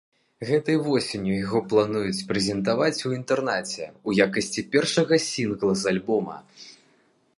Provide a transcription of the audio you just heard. Гэтай восенню яго плануюць прэзентаваць у інтэрнэце ў якасці першага сінгла з альбома.